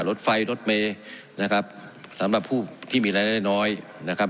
รถไฟรถเมย์นะครับสำหรับผู้ที่มีรายได้น้อยนะครับ